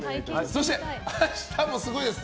そして明日もすごいです。